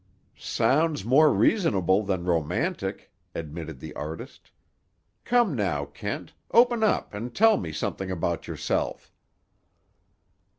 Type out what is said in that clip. "Sounds more reasonable than romantic," admitted the artist. "Come now, Kent, open up and tell me something about yourself."